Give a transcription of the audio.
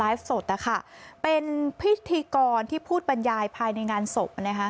สดนะคะเป็นพิธีกรที่พูดบรรยายภายในงานศพนะคะ